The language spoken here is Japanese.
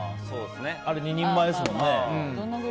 あれ２人前ですもんね。